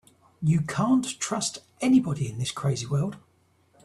You can't trust anybody in this crazy world.